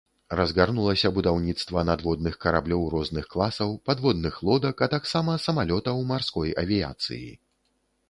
Разгарнулася будаўніцтва надводных караблёў розных класаў, падводных лодак а таксама самалётаў марской авіяцыі.